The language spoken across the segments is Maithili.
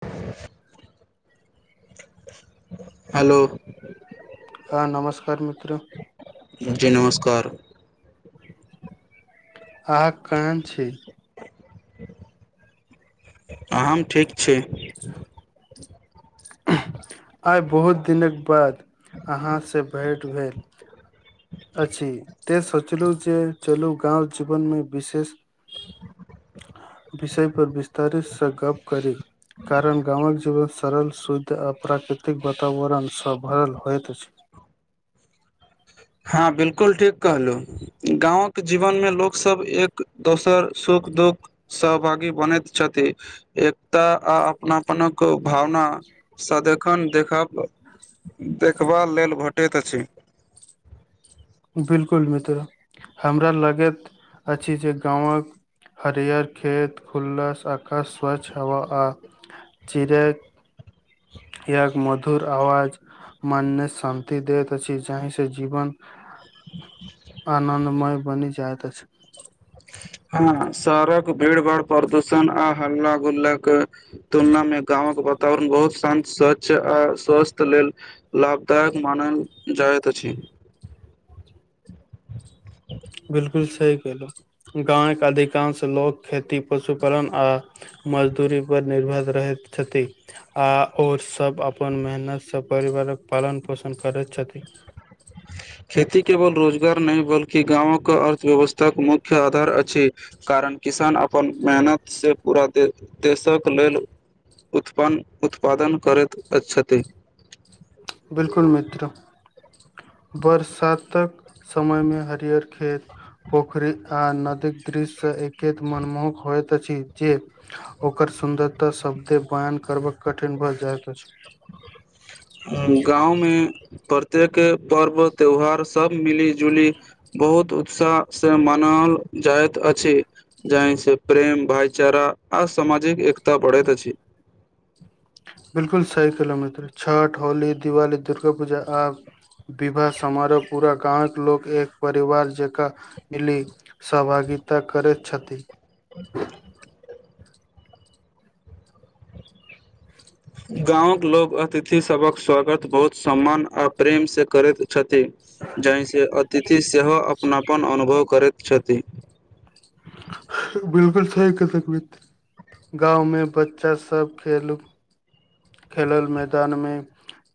[unintelligible] हेलो हँ नमस्कार मित्र जी नमस्कार अहाँ कहन छी हम ठीक छी ह आइ बहुत दिनक बाद अहाँसँ भेँट भेल अछि ते सोचलू जे चलू गाँव जीवनमे विशेष विषय पर विस्तारितसँ गप करी कारण गामक जीवन सरल शुद्ध आ प्राकृतिक वातावरणसँ भरल होइत अछि [inaudible] हँ बिल्कुल ठीक कहलू गाँंवके जीवन मे लोक सब एक दोसर श सुख दुःख सहभागी बनैत छथि एकता आ अपनापनक भावना सदखन देखब [unintelligible] देखबाल लेल भेटैत अछि बिल्कुल मित्र हमरा लगैत अछि जे गांवक हरियर खेत खुल्लस आकाश स्वच्छ हवा आ चिरे इक मधुर आवाज मानने शांति देैत अछि जाहि से जीवन आनन्दमय बनि जाइत अछि हँ शहड़क भीड़ भाड़ प्रदूषण आ हल्ला गुल्लाक तुलनामे गामक वातावरण बहुत शान्त स्वच्छ आ स्वास्थ लेल लाभदायक मानल जाय करैत अछि [unintelligible] बिल्कुल सही केहलौं गाँव के अधिकांश लोक खेती पशुपालन आ मजदूरी पर निर्भर रहैत छथि आ ओर सब अपन मेहनत से परिवार करक पालन पोषण करैत छथि खेती केवल रोजगार नहि बल्कि गाँवक अर्थव्यवस्थाक मुख्य आधार अछि कारण किसान अपन मेहनत से पूरा दे देशक लेल उत्पन्न उत्पादन करैत छथि बिल्कुल मित्र बरसातक समय मे हरियर खेत पोखरी आ नदीक दृश्यसँ एकैत मनमोहक होइत अछि जे ओकर सुन्दरता शब्दे वायान करबक कठिन भऽ जाइत अछि गाँव मे प्रत्येक पर्व त्यौहार सब मिली जुली बहुत उत्साह से मानाओल जाइत अछि जाहिसँ प्रेम भाईचारा आ सामाजिक एकता पढ़ैत अछि बिल्कुल सही कहलौ मित्र छठ होली दिवाली दुर्गा पूजा आब विवाह समारोह पूरा गाँवक लोक एक परिवार जकाँ मिली सहभागी गीता करैत छथि गाँंवक लोक अतिथि सभक स्वागत बहुत सम्मान आ प्रेम से करैत छथि जाहिसँ तिथि सेहो अपनापन अनुभव करैत छथि बिल्कुल सही कहलौं मित्र गाँवमे बच्चा सब खेलु खेलल मैदानमे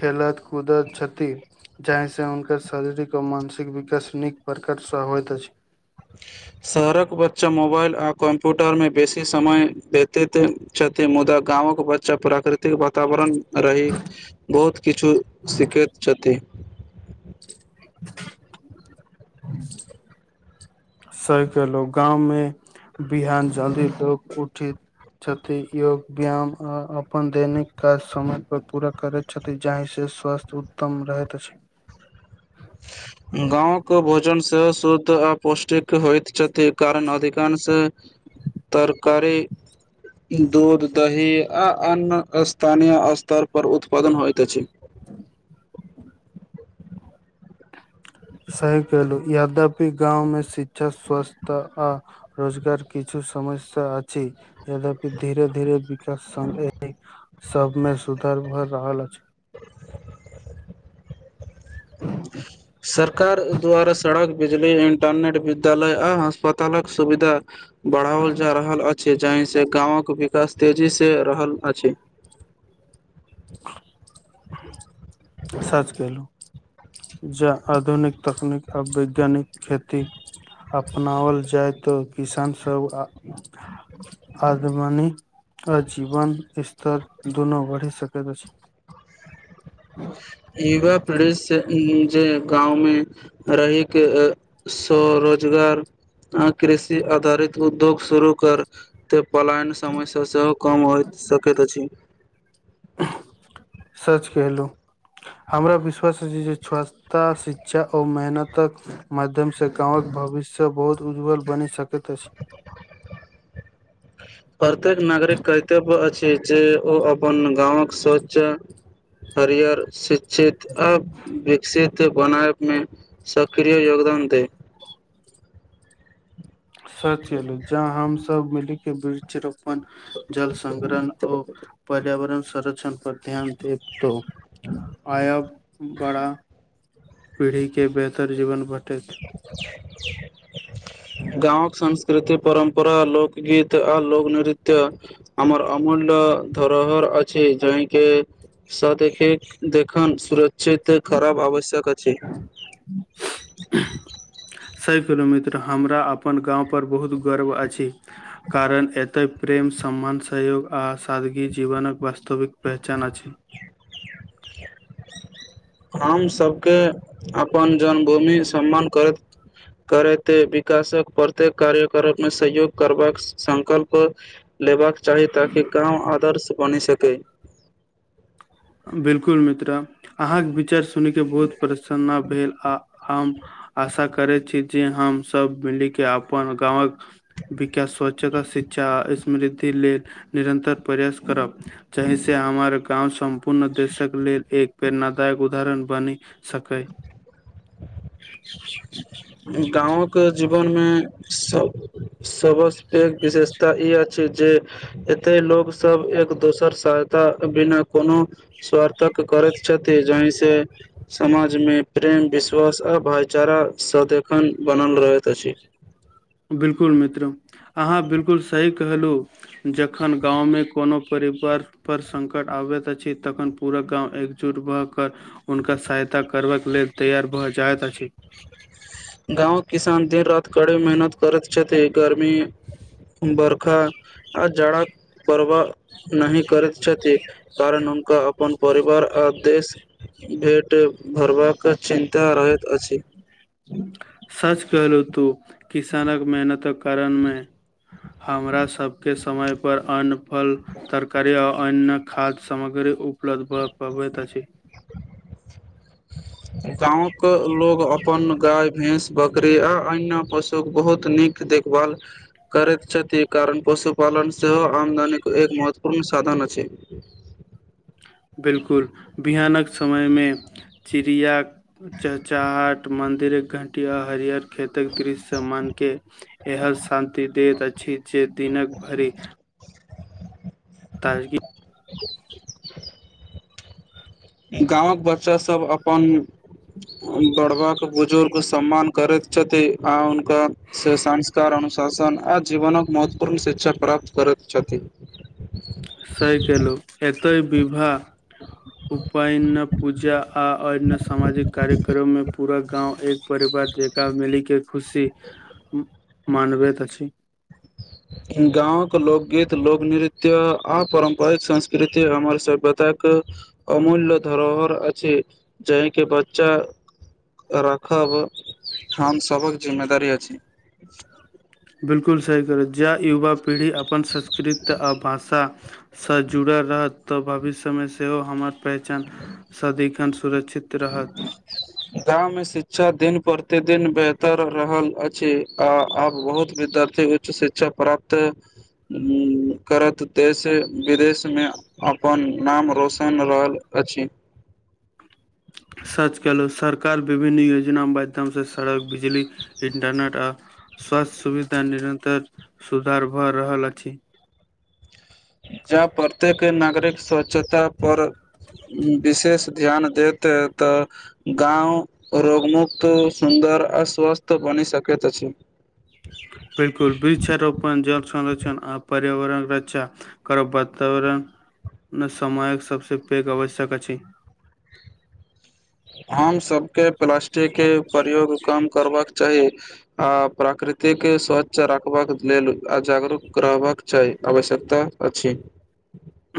खेलत कूदत छथि जाहिसँ हुनकर शारीरिक आ मानसिक विकास नीक प्रकार सँ होइत अछि शहरक बच्चा मोबाइल आ कम्प्यूटरमे बेसी समय देतैत छथि मुदा गामवके बच्चा प्राकृतिक वातावरण रहि बहुत किछु सिखैत छथि। ह [unintelligible] सहके लोक गाँवमे बिहान जल्दी लोक उठि छथि योग व्यायाम आ अपन दैनिक काज समय पर पूरा करैत छथि जहि से स्वास्थ्य उत्तम रहैत अछि गांव कऽ भोजन सेहो शुद्ध आ पौष्टिक होइत छथि कारण अधिकांश तरकारी दूध दही आ अन्न स्थानीय स्तर पर उत्पादन होइत अछि ह [unintelligible] सही कहलु यद्यपि गाँवमे शिक्षा स्वास्थ्य आ रोजगार किछु समस्या अछि यद्यपि धीरे धीरे सभमे सुधार भऽ रहल अछि [unintelligible] सरकार द्वारा सड़क बिजली इंटरनेट विद्यालय आ अस्पतालक सुविधा बढ़ाओल जा रहल अछि जाहि से गाँवक विकास तेजीसँ रहल अछि। सच कहलु। जा आधुनिक तकनीक आ वैज्ञानिक खेती अपनाओल जाय तऽ किसान सब आदमनी आजीवन स्तर दुनो वढ़ि सक अछि। इवा प्रेश से इ जे गाँवमे रहिके स्वरोजगार आ कृषि आधारित उद्योग शुरू कर त पलायन समस्या सेहो कम होइत सकैत अछि। सच केहलु। हमरा विश्वास अछि जे स्वच्छता शिक्षा औ मेहनतक माध्यमसँ गाँव भविष्य बहुत उज्ज्वल बनि सकैत अछि। प्रत्येक नागरिक कर्तव्य अछि जे ओ अपन गांवक शोचा हरियर शिक्षित आ विकसित बनायब मे सक्रिय योगदान [unintelligible] [unintelligible] हमसभ मिली के वृक्षरोपण जल संग्रह ओ पर्यावरण संरक्षण पर ध्यान देब त आयब बड़ा पीढ़ी के बेहतर जीवन ब गाँवक संस् कृति परम्परा लोकगीत आ लोक नृत्य हमर अमूल्य धरोहर अछी जाहि के साथ देखन सुरत चित खराब आवश्यक अछि। सही कहलों मित्र हमरा अपन गाँव पर बहुत गर्व अछि, कारण एतय प्रेम प्रेम सम्मान सहयोग आ सादगी जीवनक वास्तविक पहचान अछि। हम सभके अपन जन्मभूमि सम्मान करैत करते विकासक प्रत्येक कार्यक्रम सहयोग करबाक संकल्प लेबाक चाही ताकि गाँव आदर्श बनि सकय। बिलकुल मित्र अहाँ के विचार सुन के बहुत परसन्न भेल आ हम आशा करै छी जे हमसभ मिलि कऽ अपन गाँव कऽ विकास स्वच्छता शिक्षा आ समृद्धि लेल निरंन्तर प्रयास करब, चहि से हमर गाँव सम पुनः देशक लेल एक प्रेरणादायक उदाहरण बनि सकय। [inaudible] गाँव कऽ जीवन में सब सब सँ पैघ विशेषता ई अछि जे एते लोक सभ एक दोसर सहायता बिना कोनो स्वार्थक करैत छथि, जाहि सँ से समाज में प्रेम विश्वास आ भाईचारा सद खन बनल रहैत अछि। बिलकुल मित्र अहाँ बिल्कुल सही कहलू जखन गाँव में कोनो परिवार पर संकट आब अबैत अछि तखन पूरा गाँव एकजुट भऽ कऽ हुनका सहायता करबाक लेल तैयार भऽ जा जायत अछी। गाँंव किसान देर रात्रि कड़ी मेहनत करैत छथि। मी बरखा आ जाराक प्रवाह नहि करैत छथि कारण हुनका अपन परिवार आदेश भेट भरबाक चिन्ता रहैत अछि। सच कहलहु तू किसानकऽ मेहनत कारण में हमरा सभके समय पर अन्न फल तरकारी आओ अन्न खाद्य सामग्री उपलब्ध भ पबैत अछी। गाँव कऽ लोग अपन गाय भैंस बकरी आ अन्य पशुक बहुत नीक देखभाल करैत छथि कारण पशुपालन सेहो आमदनीक एक महत्वपूर्ण साधन अछि [inaudible] बिलकुल बिहानक समय मे चिड़िया चहचाहट मन मन्दिर क घंटी आ हरियर खेतक दृश्य मन के एहन शान्ति दैत अछि जे दिनक भरि ताजगी [inaudible] गामक बच्चा सब अपन बढ़वाक बुजुर्ग सम्मान करैत छथि आ हुनका से संस्कार अनुशासन आ जीवनक महत्वपूर्ण शिक्षा प्राप्त करैत छथि स केलहुँ एतय विवाह उपायन पूजा आ अय में सामाजिक कार्यक्रम में पूरा गाँव एक परिवार जेकाँ मिली के खुशी मानवैत अछि गाँव के लोकगीत लोकनृत्य आ पारंपरिक संस्कृति हमार सभ्यता एक अमूल्य धरोहर अछि जाहि के बच्चा रखब हम सभक जिम्मेदारी अछि ज युवा पीढ़ी अपन संस्कृत आ भाषा सँ जुड़ल रहत तऽ भविष्यमे सेहो हमर पहचान सदिखन सुरक्षित रह हक गाँंव में शिक्षा दिन प्रतिदिन बेहतर रहल अछि आ आब बहुत विद्या शिक्षा प्राप्त करत देश विदेश मे अपन नाम रोशन रहल अछि [inaudible] सच कयलहुँ सरकार विभिन्न योजना माध्यम सँ सड़क बिजली इन्टरनेट आ स्वास्थ्य सुविधा निरतर सुधार भऽ रहल अछि ज प्रत्येक नागरिक स्वच्छता पर विशेष ध्यान देत तऽ गाँव रोगमुक्त सुं सुन्दर अ स्वस्थ बनि सकैत अछि [inaudible] बिल्कुल वृक्षारोपण जल संरक्षण आ पर्यावरण रक्षा करब वातावरण मे समयक सबसे पैघ आवश्यक अछि हम सबके प्लास्टिक के प्रयोग कम करबाक चाही आ प्राकृतिक स्वच्छ रखबाक लेल आ जागरूक रहबाक क चाहि आवश्यकता अछि [inaudible]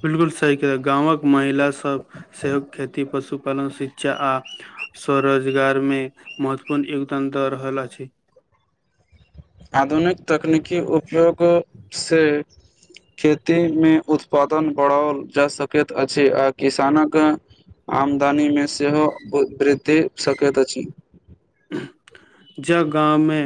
बिलकुल सही गाँवक महिला सब सेहो खेती पशुपालन शिक्षा आ स्वरोजगार मे महत्वपूर्ण योगदान दऽ रहल अछि आधुनिक तकनीकी उपयोग सँ खेती मे उत्पादन बढ़ाओल जा सकैत अछि आ किसानक आमदनी मे सेहो वृद्धि सकैत अछि [inaudible] जब गाँवमे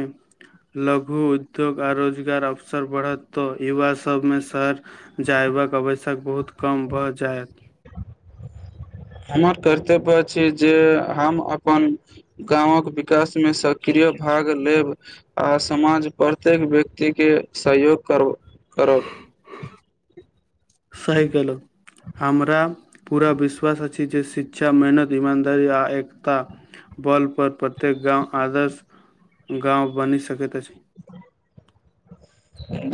लघु उद्योग आ रोजगार अवसर बढ़त त युवा युवा सभमे शहर जयबाक आवश्यक बहुत कम भऽ जायत हमर कर्तव्य अछि जे हम अपन गाँवक विकास मे सक्रिय भाग लेब आ समाज प्रत्येक व्यक्तिके सहयोग करब सही केलहु हमरा पूरा विश्वास अछि जे शिक्षा मेहनत ईमानदारी आ एकता बल पर प्रत्येक गाँव आदर्श गाँव बनि सकैत अछि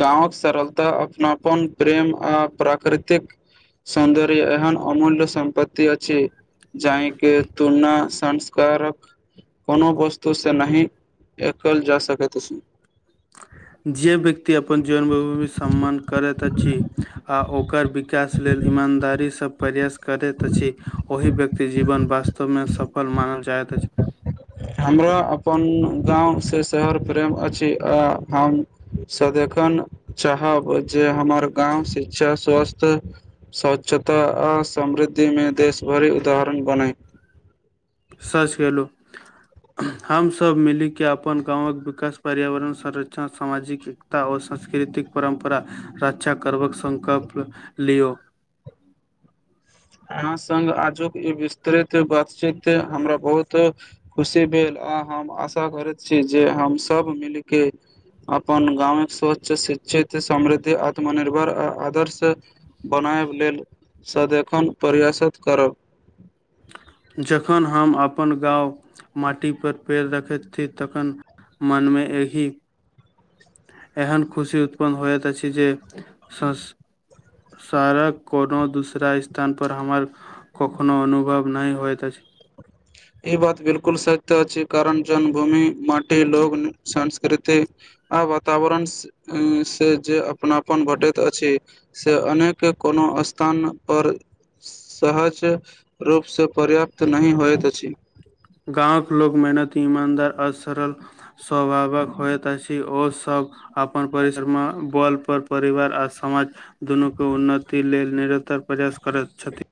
गाँवक सरलता अपनापन प्रेम आ प्राकृतिक सौन्दर्य एहन अमूल्य सम्पत्ति अछि जाहिके तुलना संस्कारक कोनो वस्तुसँ नहि एकल जा सकैत अछि जे व्यक्ति अपन जन्मभूमि सम्मान करैत अछि आ ओकर विकास लेल ईमानदारीसँ प्रयास करैत अछि ओहि व्यक्ति जीवन वास्तवमे सफल मानल जाइत अछि ह [inaudible] हमरा अपन गाँवसँ शहर प्रेम अछि आ हम सँ देखन चाहब जे हमर गाँव शिक्षा स्वास्थ स्वच्छता आ समृद्धिमे देशभरि उदाहरण बनय सच केहलु हम सभ मिलि कऽ अपन गावँक विकास पर्यावरण संरक्षण सामाजिक एकता आ सक्ष सांस्कृतिक परम्परा रक्षा करबाक संकल्प लियौ अहाँ संग आजुक ई विस्तृत बातचीत हमरा बहुत खुशी भेल आ हम आशा करैत छी जे हम सभ मिलके अपन गामक स्वच्च शिक्षित समृद्धि आत्मनिर्भर आ आदर्श बना बनायब लेल सदिखन प्रयासत करब जखन हम अपन गाँव माटी पर पैर रखैत छी तखन मन मे एही एहन खुशी उत्पन्न होयत अछि जे संस सारा कोनो दूसरा स्थान पर हमर कखनो अनुभव नहि होइत अछि [inaudible] ई बात बिलकुल सत्य अछि कारण जन्मभूमि माटे लोग संस रीति आ वातावरण से जे अपनापन भेटैत अछि से अनेक कोनो स्थानपर सहज रूपसँ पर्याप्त नहि होयत अछि [inaudible] गाँवक लोक मेहनती ईमानदार आ सरल स्वभावक होयत अछि ओसभ अपन परिसरमे बल पर परिवार आ समाज दुनूके उन्नति लेल निरन्तर प्रयास करैत छथि